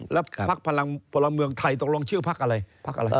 แล้วพักพลังพลเมืองไทยตกลงชื่อพักอะไรพักอะไร